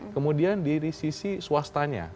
kemudian di sisi swastanya